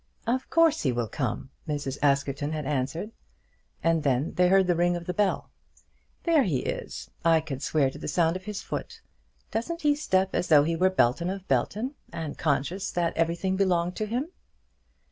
"Of course he will come," Mrs. Askerton had answered, and then they heard the ring of the bell. "There he is. I could swear to the sound of his foot. Doesn't he step as though he were Belton of Belton, and conscious that everything belonged to him?"